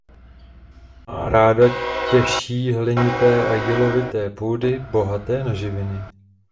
Má ráda těžší hlinité a jílovité půdy bohaté na živiny.